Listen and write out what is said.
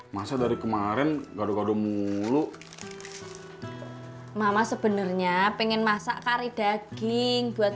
masa dari kemarin gado gado mulu mama sebenarnya pengen masak kari daging buat